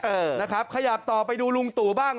เออนะครับขยับต่อไปดูลุงตู่บ้าง